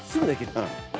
うん。